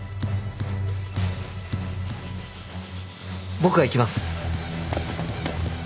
僕が行きます。